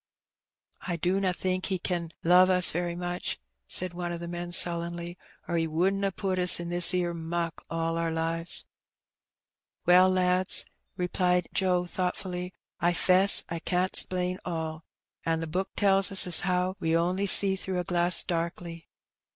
"I dunna think He ken love us very much," said one of the men sullenly, " or He wouldn't ha' put us in this 'ere muck all our lives." "Well, lads," repKed Joe thoughtfully, "I 'fess I can't 'splain all. An' the Book tells us how we on'y see through a glass darkly.